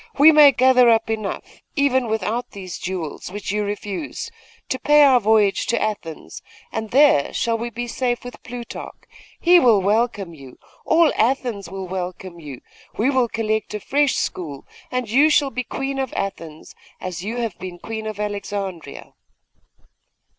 We may gather up enough, even without these jewels, which you refuse, to pay our voyage to Athens, and there we shall be safe with Plutarch; he will welcome you all Athens will welcome you we will collect a fresh school and you shall be Queen of Athens, as you have been Queen of Alexandria!